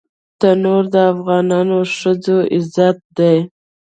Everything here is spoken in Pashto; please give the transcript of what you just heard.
تنور د افغانو ښځو عزت دی